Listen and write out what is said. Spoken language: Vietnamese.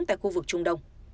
tại khu vực trung đông